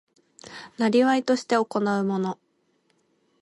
業として行うもの